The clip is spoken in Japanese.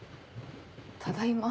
ただいま。